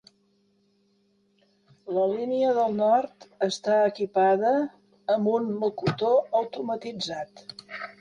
La línia del nord està equipada amb un locutor automatitzat.